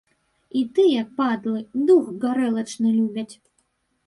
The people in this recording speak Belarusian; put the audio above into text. І тыя, падлы, дух гарэлачны любяць.